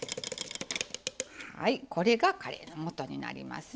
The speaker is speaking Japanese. これがカレーのもとになりますよ。